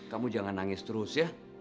kamu jangan nangis terus ya